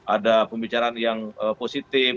ada pembicaraan yang positif